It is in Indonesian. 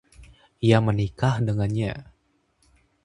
Ia menikah dengannya.